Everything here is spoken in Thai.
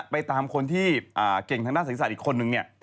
ไปตามคนที่เก่งทางด้านศีรษะอีกคนนึงเนี่ย